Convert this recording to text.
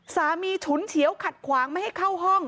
ฉุนเฉียวขัดขวางไม่ให้เข้าห้อง